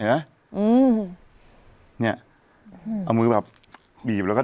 ปรากฏว่าจังหวัดที่ลงจากรถ